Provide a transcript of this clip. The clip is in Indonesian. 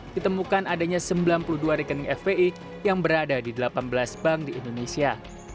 ditemukan adanya sembilan puluh dua rekening fpi yang berada di delapan belas bank di indonesia